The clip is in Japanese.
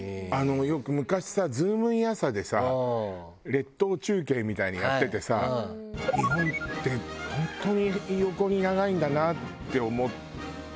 よく昔さ『ズームイン！！朝！』でさ列島中継みたいのやっててさ日本って本当に横に長いんだなって思ったのよ。